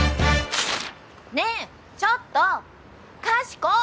ねえちょっとかしこ！